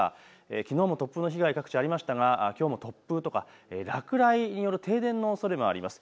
きのうも突風の被害、各地、ありましたがきょうも突風や落雷による停電のおそれもあります。